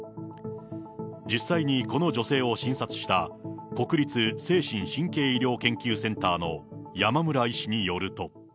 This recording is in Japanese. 実際にこの女性を診察した、国立精神・神経医療センターの山村医師によると。